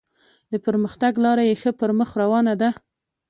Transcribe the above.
د پرمختګ لاره یې ښه پر مخ روانه ده.